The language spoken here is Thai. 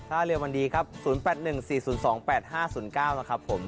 ถ้าเร็ววันดีครับ๐๘๑๔๐๒๘๕๐๙นะครับผม